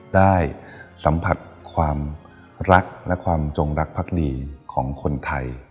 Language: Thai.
ได้สัมผัสความรักและความจงรักภักดีของคนไทย